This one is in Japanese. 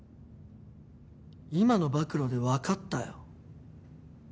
今の暴露でわかったよ。